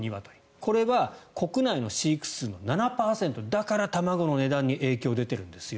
これは国内の飼育数の７％だから、卵の値段に影響が出ているんですよ。